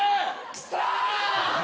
クソ！